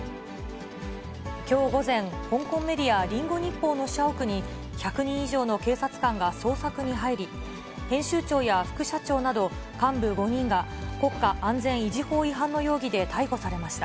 きょう午前、香港メディア、リンゴ日報の社屋に、１００人以上の警察官が捜索に入り、編集長や副社長など、幹部５人が国会安全維持法違反の容疑で逮捕されました。